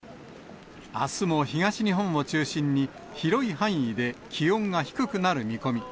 あすも東日本を中心に、広い範囲で気温が低くなる見込み。